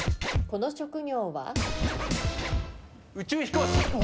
この職業は？